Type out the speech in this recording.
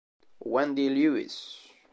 Wendy Lewis